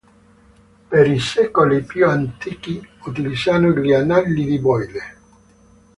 Per i secoli più antichi utilizzano gli "Annali di Boyle".